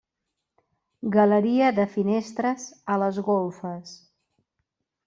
Galeria de finestres a les golfes.